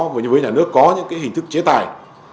với nhà nước có những cái hình thức chế tài